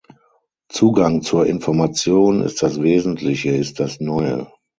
Zugang zur Information ist das Wesentliche, ist das Neue.